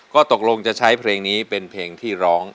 ก็ตกลงจะใช้เพลงนี้เป็นเพลงที่ร้อง